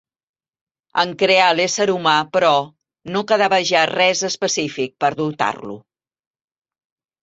En crear l'ésser humà, però, no quedava ja res específic per dotar-lo.